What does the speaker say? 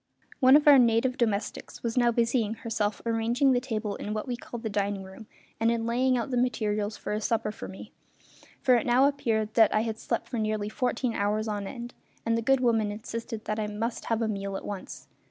One of our native domestics was now busying herself arranging the table in what we called the "dining room", and in laying out the materials for a supper for me for it now appeared that I had slept for nearly fourteen hours on end, and the good woman insisted that I must have a meal at once.